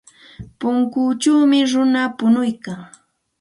Punkuchawmi runa punuykan.